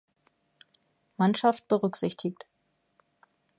Mannschaft berücksichtigt.